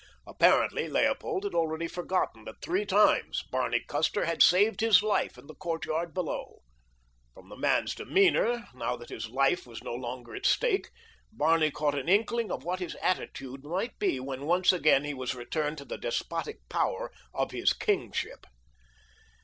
Apparently Leopold had already forgotten that three times Barney Custer had saved his life in the courtyard below. From the man's demeanor, now that his life was no longer at stake, Barney caught an inkling of what his attitude might be when once again he was returned to the despotic power of his kingship.